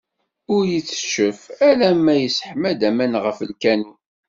Ur iteccef alamma yesseḥma-d aman ɣef lkanun.